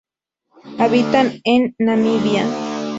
Habita en Namibia.